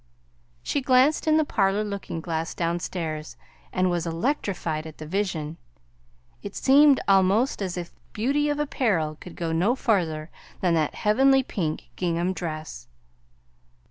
She glanced in the parlor looking glass downstairs and was electrified at the vision. It seemed almost as if beauty of apparel could go no further than that heavenly pink gingham dress!